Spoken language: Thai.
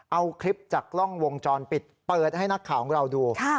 เอาคลิปจากกล้องวงจรปิดเปิดให้นักข่าวของเราดู